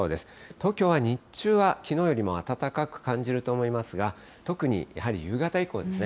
東京は、日中はきのうよりも暖かく感じると思いますが、特にやはり夕方以降ですね。